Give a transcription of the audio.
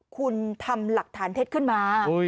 คุณทำหลักฐานเท็จขึ้นมา